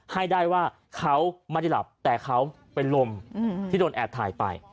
ให้ได้ว่าเขาไม่ได้หลับแต่เขาเป็นลมที่โดนแอบถ่ายไป